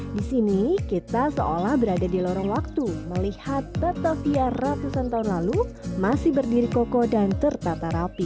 di sini kita seolah berada di lorong waktu melihat batavia ratusan tahun lalu masih berdiri kokoh dan tertata rapi